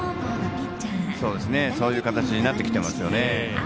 そういう形になってきてますよね。